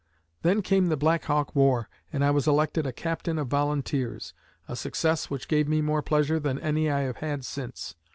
Then came the Black Hawk War, and I was elected a Captain of Volunteers a success which gave me more pleasure than any I have had since.